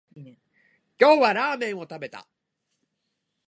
今日はラーメンを食べた